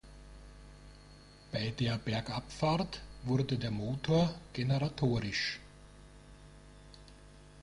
Bei der Bergabfahrt wurde der Motor generatorisch.